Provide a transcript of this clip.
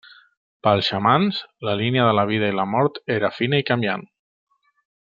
Pels xamans, la línia de la vida i la mort era fina i canviant.